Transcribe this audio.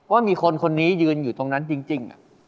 ว่ามีคนคนนี้ยืนอยู่ตรงนั้นจริง